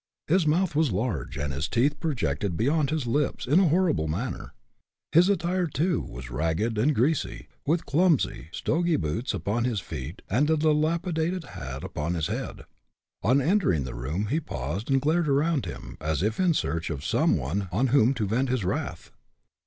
His mouth was large, and his teeth projected beyond his lips, in a horrible manner. His attire, too, was ragged and greasy, with clumsy, stogy boots upon his feet, and a dilapidated hat upon his head. On entering the room, he paused and glared around him, as if in search of some one on whom to vent his wrath.